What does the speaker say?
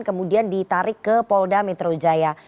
kemudian ditarik ke polda metro jaya